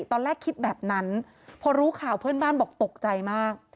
ตอนแรกคิดแบบนั้นพอรู้ข่าวเพื่อนบ้านบอกตกใจมาก